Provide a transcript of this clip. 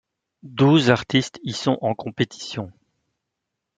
Douze artistes y sont en compétition.